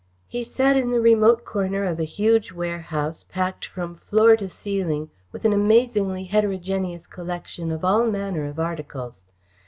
He sat in the remote corner of a huge warehouse, packed from floor to ceiling with an amazingly heterogeneous collection of all manner of articles.